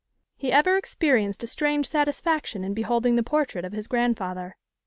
He ever experienced a strange satisfaction in beholding the portrait of his grandfather.